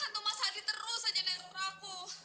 hantu mas hadi terus saja nangis terhadap aku